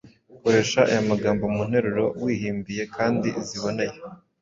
Koresha aya magambo mu nteruro wihimbiye kandi ziboneye